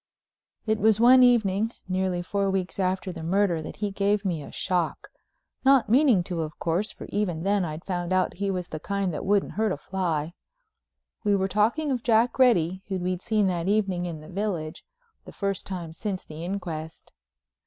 It was one evening, nearly four weeks after the murder that he gave me a shock—not meaning to, of course, for even then I'd found out he was the kind that wouldn't hurt a fly. We were talking of Jack Reddy, who we'd seen that evening in the village, the first time since the inquest.